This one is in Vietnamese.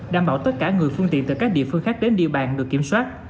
đảm bảo tất cả người phương tiện từ các địa phương khác đến địa bàn được kiểm soát